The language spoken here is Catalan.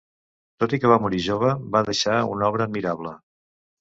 Tot i que va morir jove, va deixar una obra admirable.